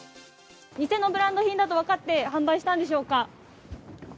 偽のブランド品だと分かって販売したんでしょうか？